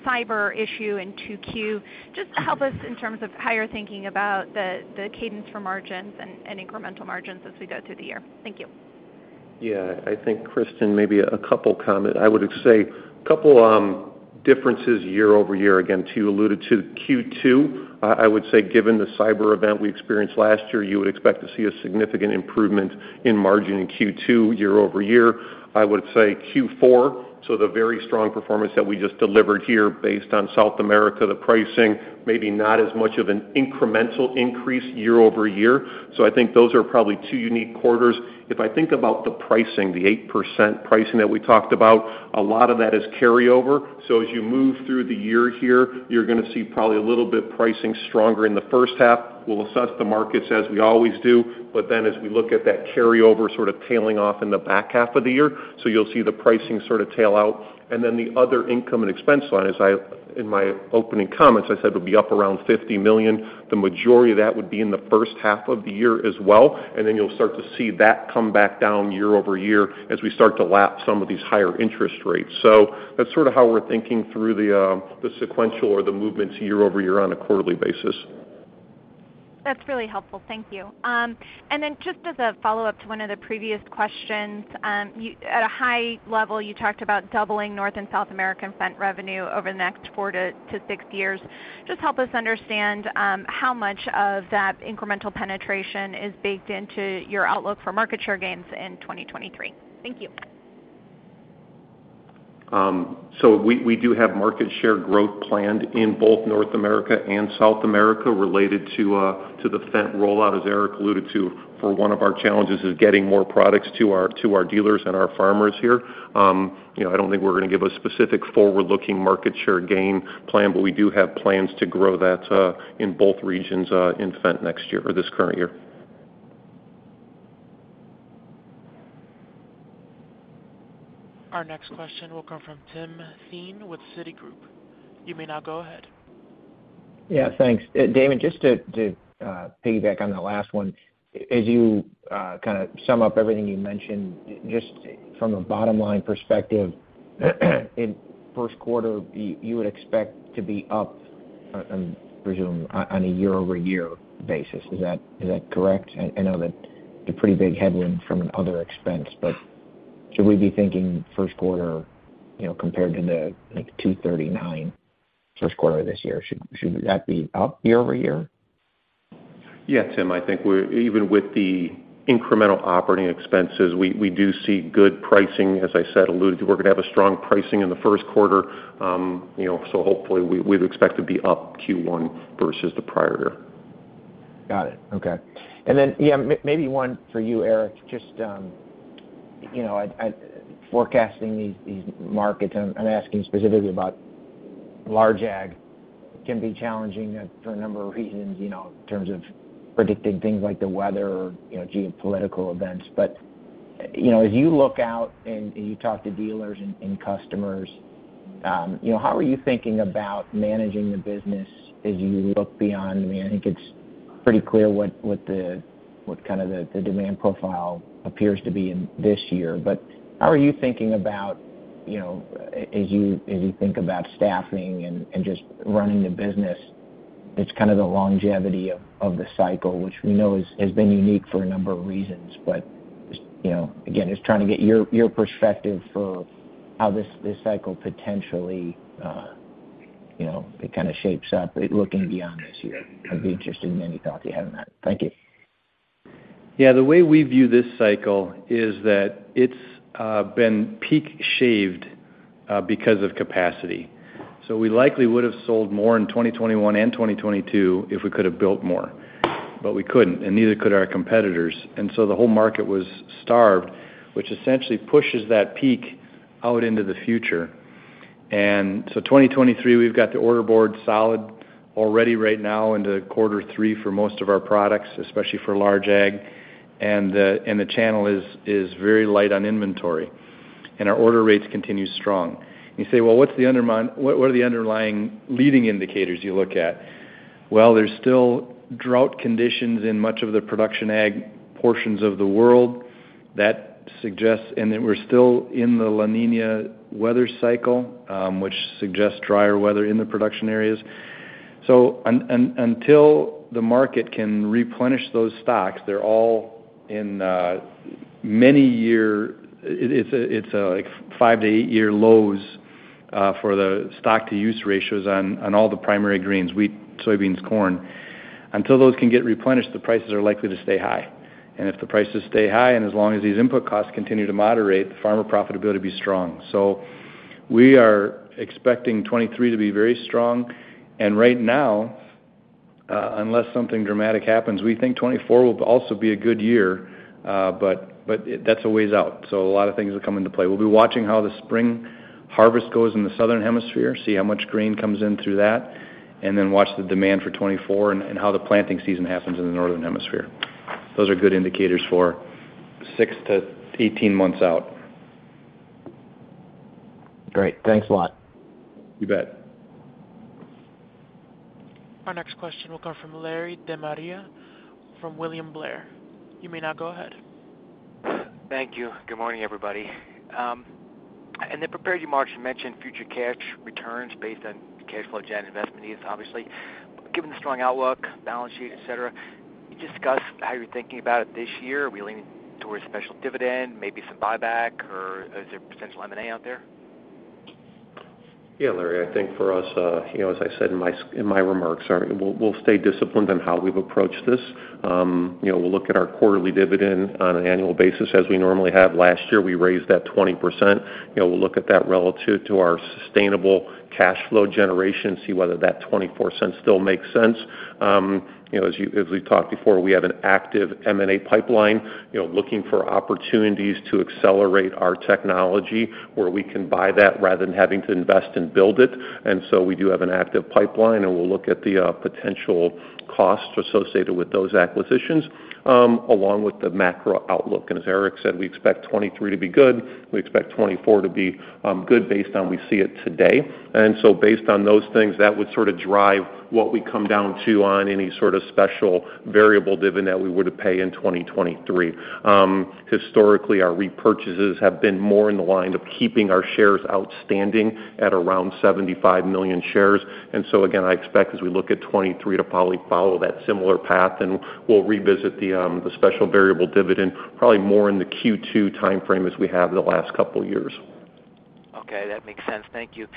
cyber issue in 2Q. Just help us in terms of how you're thinking about the cadence for margins and incremental margins as we go through the year. Thank you. Yeah. I think, Kristen, maybe a couple comment. I would say a couple differences year-over-year, again, to you alluded to Q2. I would say, given the cyber event we experienced last year, you would expect to see a significant improvement in margin in Q2 year-over-year. I would say Q4, so the very strong performance that we just delivered here based on South America, the pricing, maybe not as much of an incremental increase year-over-year. I think those are probably two unique quarters. If I think about the pricing, the 8% pricing that we talked about, a lot of that is carryover. As you move through the year here, you're gonna see probably a little bit pricing stronger in the first half. We'll assess the markets as we always do. As we look at that carryover sort of tailing off in the back half of the year, you'll see the pricing sort of tail out. The other income and expense line, as in my opening comments, I said would be up around $50 million. The majority of that would be in the first half of the year as well. You'll start to see that come back down year-over-year as we start to lap some of these higher interest rates. That's sort of how we're thinking through the sequential or the movements year-over-year on a quarterly basis. That's really helpful. Thank you. Just as a follow-up to one of the previous questions, at a high level, you talked about doubling North and South American Fendt revenue over the next four to six years. Just help us understand how much of that incremental penetration is baked into your outlook for market share gains in 2023. Thank you. We do have market share growth planned in both North America and South America related to the Fendt rollout, as Eric alluded to, for one of our challenges is getting more products to our dealers and our farmers here. You know, I don't think we're gonna give a specific forward-looking market share gain plan, but we do have plans to grow that in both regions in Fendt next year or this current year. Our next question will come from Timothy Thein with Citigroup. You may now go ahead. Yeah. Thanks. Damon, just to piggyback on the last one. As you kind of sum up everything you mentioned, just from a bottom-line perspective, in first quarter, you would expect to be up, presume on a year-over-year basis. Is that correct? I know that it's a pretty big headwind from an other expense, but should we be thinking first quarter, you know, compared to the, like, $239 first quarter this year? Should that be up year-over-year? Yeah, Tim. I think even with the incremental operating expenses, we do see good pricing, as I said, alluded to, we're gonna have a strong pricing in the first quarter. You know, hopefully we'd expect to be up Q1 versus the prior year. Got it. Okay. Maybe one for you, Eric. Just, you know, forecasting these markets, I'm asking specifically about large ag can be challenging for a number of reasons, you know, in terms of predicting things like the weather or, you know, geopolitical events. You know, as you look out and you talk to dealers and customers, you know, how are you thinking about managing the business as you look beyond? I mean, I think it's pretty clear what kind of the demand profile appears to be in this year. How are you thinking about, you know, as you think about staffing and just running the business, it's kind of the longevity of the cycle, which we know has been unique for a number of reasons. You know, again, just trying to get your perspective for how this cycle potentially, you know, it kind of shapes up looking beyond this year. I'd be interested in any thoughts you have on that. Thank you. Yeah, the way we view this cycle is that it's been peak shaved because of capacity. We likely would have sold more in 2021 and 2022 if we could have built more. We couldn't, and neither could our competitors. The whole market was starved, which essentially pushes that peak out into the future. 2023, we've got the order board solid already right now into Q3 for most of our products, especially for large ag, and the channel is very light on inventory, and our order rates continue strong. You say, "Well, what are the underlying leading indicators you look at?" Well, there's still drought conditions in much of the production ag portions of the world. That suggests and then we're still in the La Niña weather cycle, which suggests drier weather in the production areas. Until the market can replenish those stocks, they're all in the many year... It's like five to eight year lows for the stocks-to-use ratios on all the primary grains, wheat, soybeans, corn. Until those can get replenished, the prices are likely to stay high. If the prices stay high, and as long as these input costs continue to moderate, the farmer profitability will be strong. We are expecting 2023 to be very strong. Right now, unless something dramatic happens, we think 2024 will also be a good year, but that's a ways out, so a lot of things will come into play. We'll be watching how the spring harvest goes in the Southern Hemisphere, see how much grain comes in through that, and then watch the demand for 2024 and how the planting season happens in the Northern Hemisphere. Those are good indicators for 6 to 18 months out. Great. Thanks a lot. You bet. Our next question will come from Larry DeMaria, from William Blair. You may now go ahead. Thank you. Good morning, everybody. In the prepared remarks, you mentioned future cash returns based on cash flow gen investment needs, obviously. Given the strong outlook, balance sheet, et cetera, can you discuss how you're thinking about it this year? Are we leaning towards special dividend, maybe some buyback, or is there potential M&A out there? Yeah, Larry. I think for us, you know, as I said in my, in my remarks, we'll stay disciplined on how we've approached this. You know, we'll look at our quarterly dividend on an annual basis as we normally have. Last year, we raised that 20%. You know, we'll look at that relative to our sustainable cash flow generation, see whether that $0.24 still makes sense. You know, as we talked before, we have an active M&A pipeline, you know, looking for opportunities to accelerate our technology where we can buy that rather than having to invest and build it. We do have an active pipeline, and we'll look at the potential costs associated with those acquisitions, along with the macro outlook. As Eric said, we expect 2023 to be good. We expect 2024 to be good based on we see it today. Based on those things, that would sort of drive what we come down to on any sort of special variable dividend that we were to pay in 2023. Historically, our repurchases have been more in the line of keeping our shares outstanding at around 75 million shares. Again, I expect as we look at 2023 to probably follow that similar path, and we'll revisit the special variable dividend probably more in the Q2 timeframe as we have in the last couple years. Okay. That makes sense. Thank you.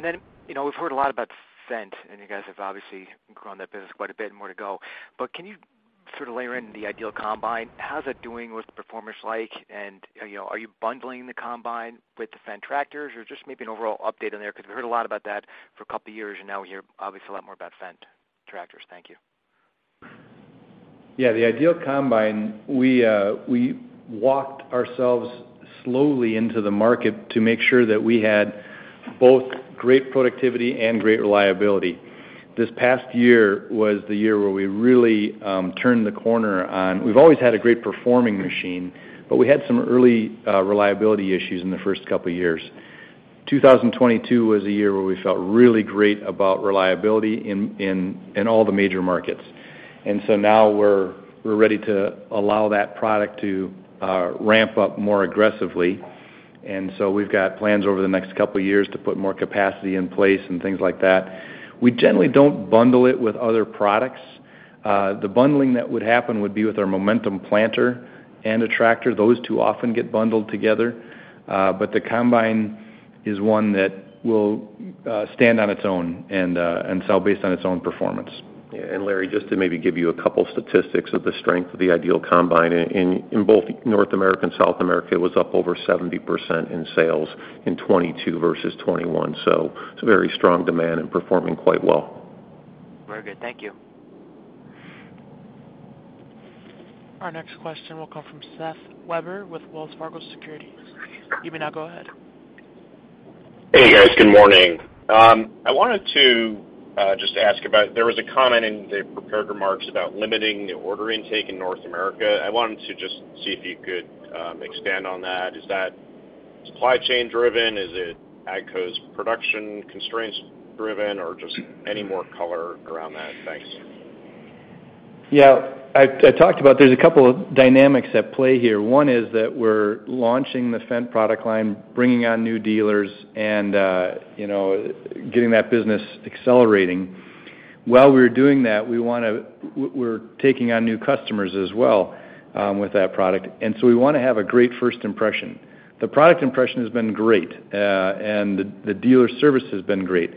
Then, you know, we've heard a lot about Fendt, and you guys have obviously grown that business quite a bit more to go. Can you sort of layer in the IDEAL combine? How's that doing? What's the performance like? You know, are you bundling the combine with the Fendt tractors or just maybe an overall update on there? We've heard a lot about that for a couple of years, and now we hear obviously a lot more about Fendt tractors. Thank you. Yeah. The IDEAL combine, we walked ourselves slowly into the market to make sure that we had both great productivity and great reliability. This past year was the year where we really turned the corner. We've always had a great performing machine, but we had some early reliability issues in the first couple of years. 2022 was a year where we felt really great about reliability in all the major markets. Now we're ready to allow that product to ramp up more aggressively. We've got plans over the next couple of years to put more capacity in place and things like that. We generally don't bundle it with other products. The bundling that would happen would be with our Momentum planter and a tractor. Those two often get bundled together. The combine is one that will stand on its own and sell based on its own performance. Yeah. Larry, just to maybe give you a couple statistics of the strength of the IDEAL combine. In both North America and South America, it was up over 70% in sales in 2022 versus 2021. It's a very strong demand and performing quite well. Very good. Thank you. Our next question will come from Seth Weber with Wells Fargo Securities. You may now go ahead. Hey, guys. Good morning. I wanted to just ask about, there was a comment in the prepared remarks about limiting the order intake in North America. I wanted to just see if you could expand on that. Is that supply chain driven? Is it AGCO's production constraints driven or just any more color around that? Thanks. I talked about there's a couple of dynamics at play here. One is that we're launching the Fendt product line, bringing on new dealers and, you know, getting that business accelerating. While we're doing that, we're taking on new customers as well with that product. We wanna have a great first impression. The product impression has been great, and the dealer service has been great.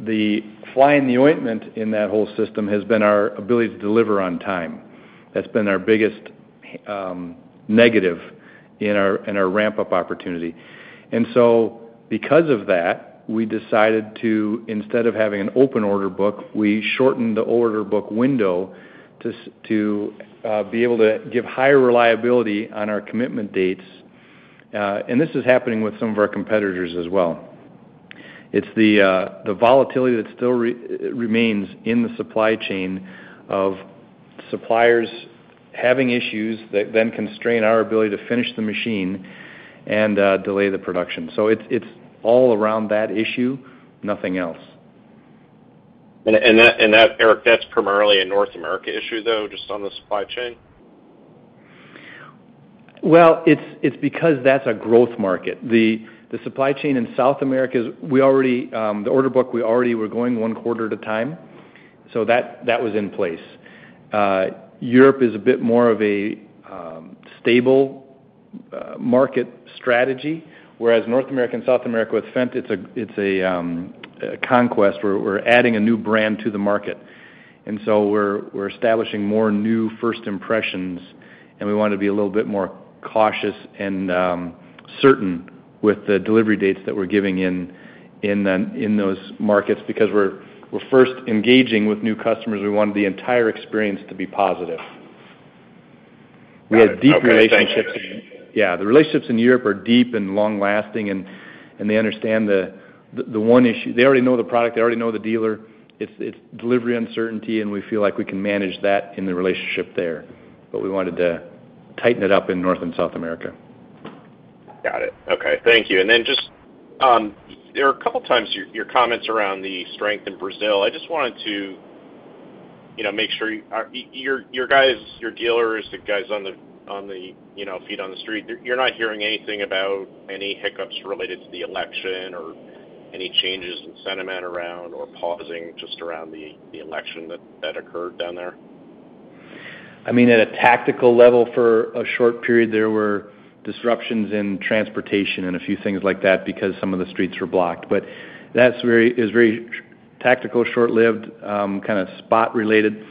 The fly in the ointment in that whole system has been our ability to deliver on time. That's been our biggest negative in our, in our ramp-up opportunity. Because of that, we decided to, instead of having an open order book, we shortened the order book window to be able to give higher reliability on our commitment dates. This is happening with some of our competitors as well. It's the volatility that still remains in the supply chain of suppliers having issues that then constrain our ability to finish the machine and delay the production. It's all around that issue, nothing else. That, Eric, that's primarily a North America issue though, just on the supply chain? Well, it's because that's a growth market. The supply chain in South America is we already. The order book, we already were going one quarter at a time, that was in place. Europe is a bit more of a stable market strategy, whereas North America and South America, with Fendt, it's a conquest. We're adding a new brand to the market. We're establishing more new first impressions, and we wanna be a little bit more cautious and certain with the delivery dates that we're giving in those markets. Because we're first engaging with new customers, we want the entire experience to be positive. Got it. We have deep relationships. Okay, thank you. Yeah. The relationships in Europe are deep and long-lasting, and they understand the one issue. They already know the product. They already know the dealer. It's delivery uncertainty, and we feel like we can manage that in the relationship there, but we wanted to tighten it up in North and South America. Got it. Okay. Thank you. Just, there are a couple times your comments around the strength in Brazil. I just wanted to, you know, make sure. Your guys, your dealers, the guys on the feet on the street, you're not hearing anything about any hiccups related to the election or any changes in sentiment around or pausing just around the election that occurred down there? I mean, at a tactical level, for a short period, there were disruptions in transportation and a few things like that because some of the streets were blocked. That's very, is very tactical, short-lived, kind of spot-related.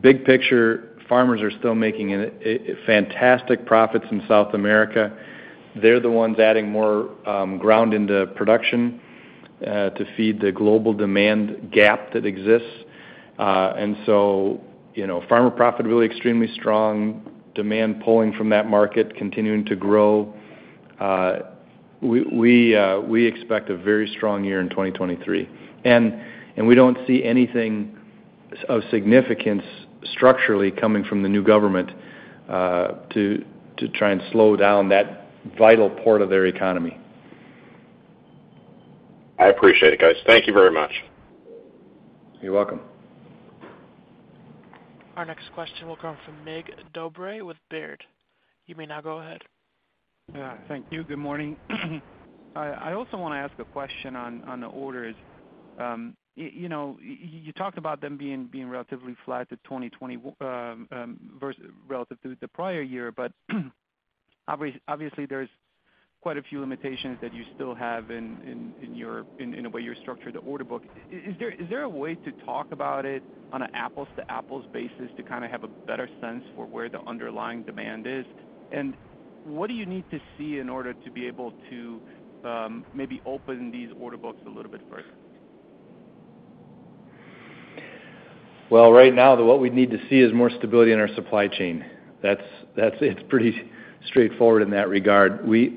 Big picture, farmers are still making a fantastic profits in South America. They're the ones adding more ground into production to feed the global demand gap that exists. You know, farmer profit really extremely strong. Demand pulling from that market continuing to grow. We expect a very strong year in 2023. We don't see anything of significance structurally coming from the new government to try and slow down that vital part of their economy. I appreciate it, guys. Thank you very much. You're welcome. Our next question will come from Mircea Dobre with Baird. You may now go ahead. Yeah. Thank you. Good morning. I also wanna ask a question on the orders. You know, you talked about them being relatively flat to 2020 versus relative to the prior year. Obviously, there's quite a few limitations that you still have in your, in the way you structured the order book. Is there a way to talk about it on a apples to apples basis to kinda have a better sense for where the underlying demand is? What do you need to see in order to be able to maybe open these order books a little bit further? Well, right now, what we'd need to see is more stability in our supply chain. That's, that's it. It's pretty straightforward in that regard. We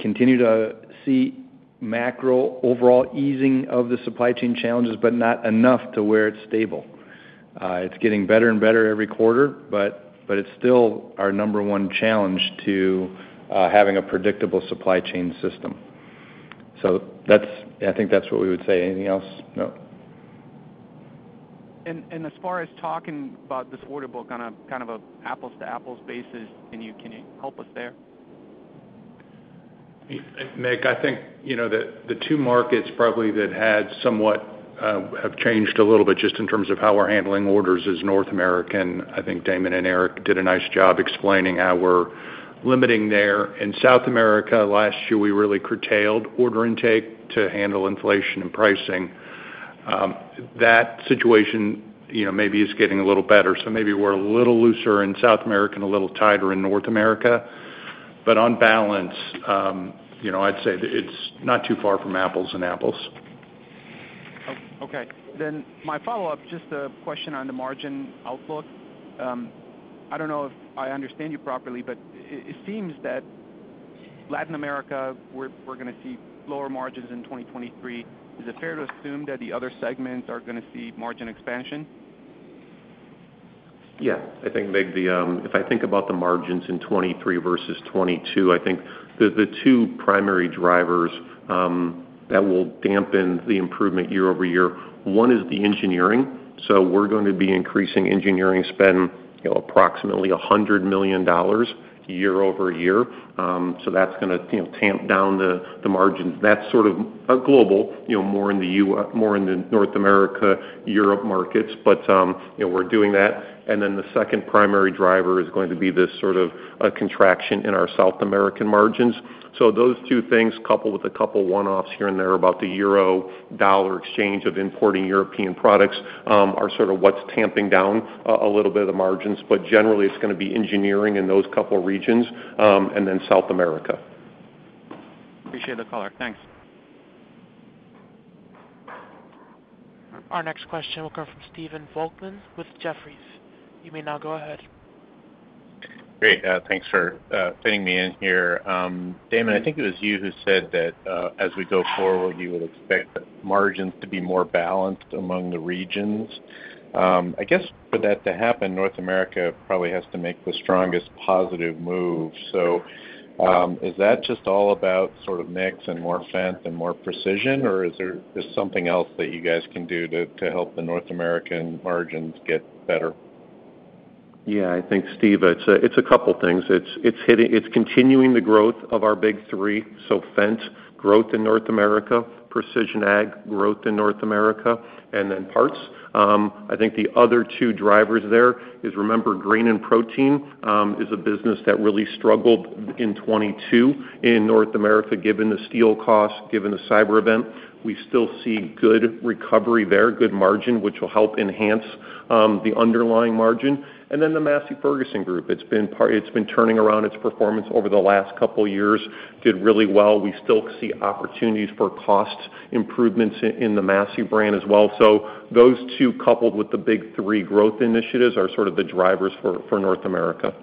continue to see macro overall easing of the supply chain challenges, but not enough to where it's stable. It's getting better and better every quarter, but it's still our number one challenge to having a predictable supply chain system. That's, I think that's what we would say. Anything else? No. As far as talking about this order book on kind of an apples to apples basis, can you help us there? Mig, I think, you know, the two markets probably that had somewhat have changed a little bit just in terms of how we're handling orders is North America. I think Damon and Eric did a nice job explaining how we're limiting there. In South America, last year, we really curtailed order intake to handle inflation and pricing. That situation, you know, maybe is getting a little better, so maybe we're a little looser in South America and a little tighter in North America. On balance, you know, I'd say that it's not too far from apples and apples. Okay. My follow-up, just a question on the margin outlook. I don't know if I understand you properly, but it seems that Latin America, we're gonna see lower margins in 2023. Is it fair to assume that the other segments are gonna see margin expansion? Yeah. I think, Mircea the, if I think about the margins in 2023 versus 2022, I think the two primary drivers that will dampen the improvement year-over-year, one is the engineering. We're going to be increasing engineering spend, you know, approximately $100 million year-over-year. That's going to, you know, tamp down the margins. That's sort of a global, you know, more in the North America, Europe markets. You know, we're doing that. The second primary driver is going to be this sort of a contraction in our South American margins. Those two things, coupled with a couple one-offs here and there about the euro-dollar exchange of importing European products, are sort of what's tamping down a little bit of the margins. Generally, it's gonna be engineering in those couple regions, and then South America. Appreciate the color. Thanks. Our next question will come from Stephen Volkmann with Jefferies. You may now go ahead. Great. Thanks for fitting me in here. Damon, I think it was you who said that as we go forward, you would expect the margins to be more balanced among the regions. I guess for that to happen, North America probably has to make the strongest positive move. Is that just all about sort of mix and more Fendt and more precision, or there's something else that you guys can do to help the North American margins get better? Yeah. I think, Steve, it's a couple things. It's continuing the growth of our big three, so Fendt growth in North America, precision ag growth in North America, and then parts. I think the other two drivers there is remember Grain & Protein is a business that really struggled in 2022 in North America, given the steel cost, given the cyber event. We still see good recovery there, good margin, which will help enhance the underlying margin. The Massey Ferguson Group, it's been turning around its performance over the last couple years, did really well. We still see opportunities for cost improvements in the Massey brand as well. Those two, coupled with the big three growth initiatives, are sort of the drivers for North America.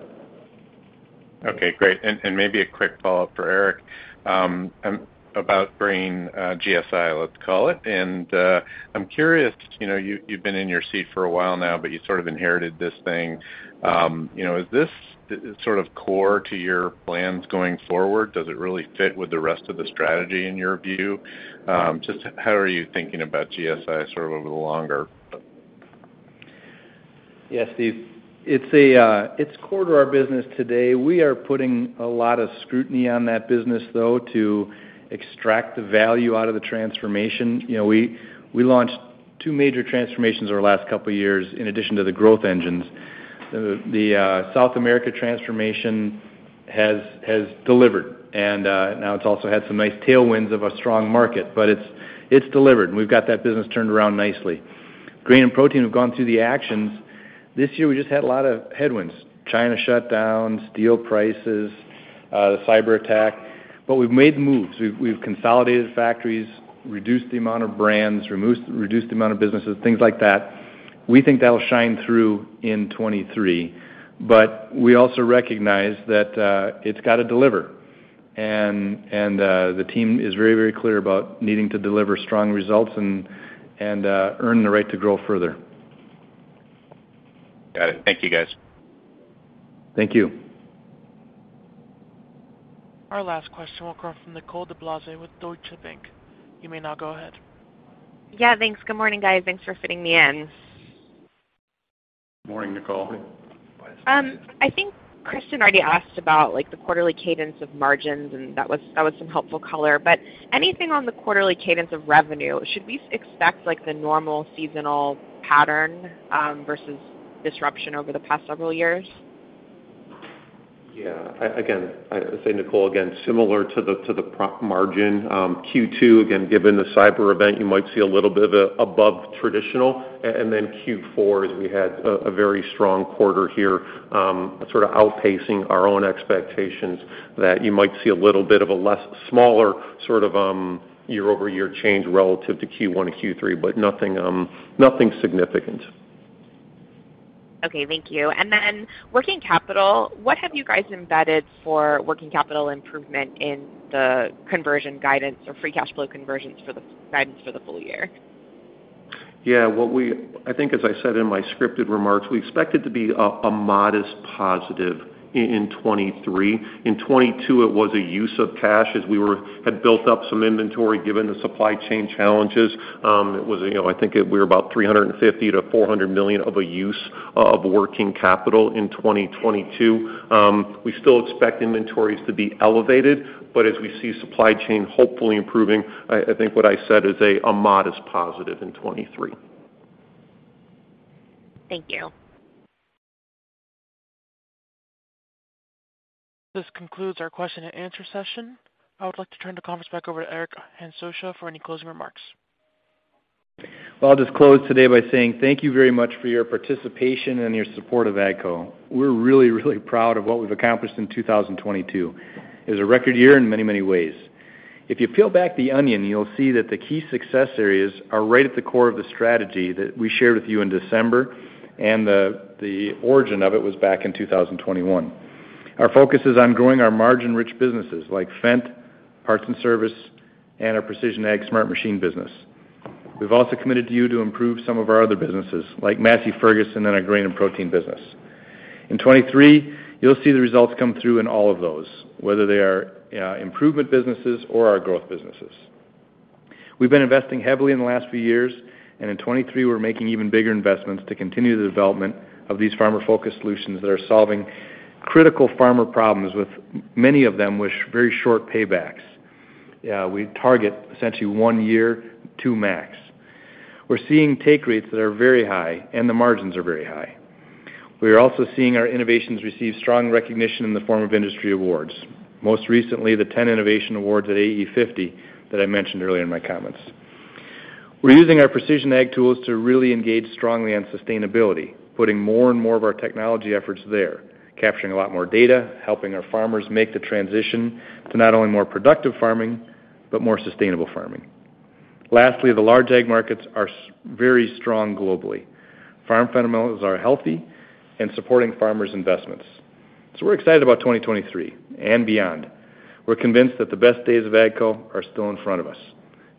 Okay. Great. Maybe a quick follow-up for Eric about bringing GSI, let's call it. I'm curious, you know, you've been in your seat for a while now, but you sort of inherited this thing. You know, is this sort of core to your plans going forward? Does it really fit with the rest of the strategy in your view? Just how are you thinking about GSI sort of over the longer? Yeah, Steve. It's core to our business today. We are putting a lot of scrutiny on that business, though, to extract the value out of the transformation. You know, we launched two major transformations over the last couple years in addition to the growth engines. The South America transformation has delivered. Now it's also had some nice tailwinds of a strong market, but it's delivered. We've got that business turned around nicely. Grain & Protein have gone through the actions. This year, we just had a lot of headwinds, China shutdowns, steel prices, the cyberattack, but we've made moves. We've consolidated factories, reduced the amount of brands, reduced the amount of businesses, things like that. We think that'll shine through in 2023, but we also recognize that it's gotta deliver. The team is very clear about needing to deliver strong results and, earn the right to grow further. Got it. Thank you, guys. Thank you. Our last question will come from Nicole DeBlase with Deutsche Bank. You may now go ahead. Yeah, thanks. Good morning, guys. Thanks for fitting me in. Morning, Nicole. I think Kristen already asked about like the quarterly cadence of margins, and that was some helpful color. Anything on the quarterly cadence of revenue, should we expect like the normal seasonal pattern, versus disruption over the past several years? Yeah. again, I'd say, Nicole, again, similar to the, to the margin, Q2, again, given the cyber event, you might see a little bit of a above traditional. Q4 is we had a very strong quarter here, sort of outpacing our own expectations that you might see a little bit of a less smaller sort of, year-over-year change relative to Q1 and Q3, but nothing significant. Okay. Thank you. Then working capital, what have you guys embedded for working capital improvement in the conversion guidance or free cash flow conversions for the guidance for the full year? What I think as I said in my scripted remarks, we expect it to be a modest positive in 2023. In 2022, it was a use of cash as we had built up some inventory given the supply chain challenges. It was, you know, I think it we're about $350 million-$400 million of a use of working capital in 2022. We still expect inventories to be elevated, but as we see supply chain hopefully improving, I think what I said is a modest positive in 2023. Thank you. This concludes our question and answer session. I would like to turn the conference back over to Eric Hansotia for any closing remarks. Well, I'll just close today by saying thank you very much for your participation and your support of AGCO. We're really proud of what we've accomplished in 2022. It was a record year in many ways. If you peel back the onion, you'll see that the key success areas are right at the core of the strategy that we shared with you in December, and the origin of it was back in 2021. Our focus is on growing our margin-rich businesses like Fendt, Parts and Service, and our Precision Ag Smart Machine business. We've also committed to you to improve some of our other businesses like Massey Ferguson and our Grain and Protein business. In 2023, you'll see the results come through in all of those, whether they are improvement businesses or our growth businesses. We've been investing heavily in the last few years, and in 2023, we're making even bigger investments to continue the development of these farmer-focused solutions that are solving critical farmer problems with many of them with very short paybacks. We target essentially one year, two max. We're seeing take rates that are very high, and the margins are very high. We are also seeing our innovations receive strong recognition in the form of industry awards. Most recently, the 10 innovation awards at AE50 that I mentioned earlier in my comments. We're using our precision ag tools to really engage strongly on sustainability, putting more and more of our technology efforts there, capturing a lot more data, helping our farmers make the transition to not only more productive farming, but more sustainable farming. The large ag markets are very strong globally. Farm fundamentals are healthy and supporting farmers' investments. We're excited about 2023 and beyond. We're convinced that the best days of AGCO are still in front of us.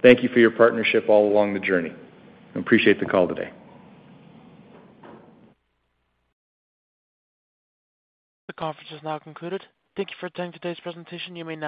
Thank you for your partnership all along the journey, and appreciate the call today. The conference has now concluded. Thank you for attending today's presentation. You may now-